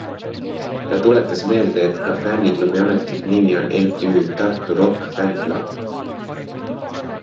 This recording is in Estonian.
Ta tuletas meelde, et ka fänniklubi ametlik nimi on MTÜ Tartu Rock Fan Club.